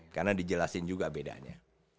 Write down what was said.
karena dijelasin juga bedanya